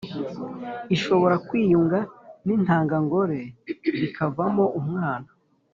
Ishobora kwiyunga n intangangore bikavamo umwana